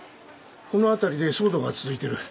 この辺りで騒動が続いてる。